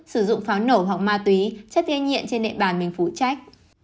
sử dụng pháo nổ hoặc ma túy chất gây nhiện trên địa bàn mình phủ trách